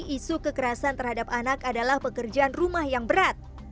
isu kekerasan terhadap anak adalah pekerjaan rumah yang berat